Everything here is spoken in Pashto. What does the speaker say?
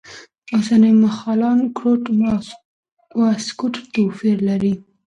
اوسني ملخان کورټ و سکوټ توپیر لري.